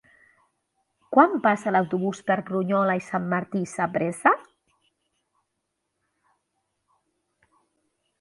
Quan passa l'autobús per Brunyola i Sant Martí Sapresa?